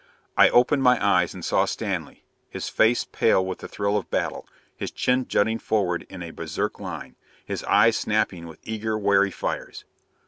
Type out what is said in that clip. I opened my eyes and saw Stanley, his face pale with the thrill of battle, his chin jutting forward in a berserk line, his eyes snapping with eager, wary fires.